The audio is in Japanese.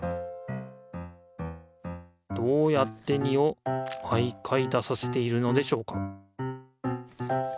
どうやって２を毎回出させているのでしょうか？